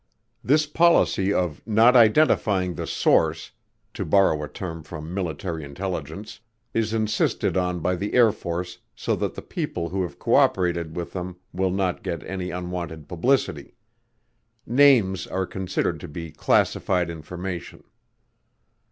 This policy of not identifying the "source," to borrow a term from military intelligence, is insisted on by the Air Force so that the people who have co operated with them will not get any unwanted publicity. Names are considered to be "classified information."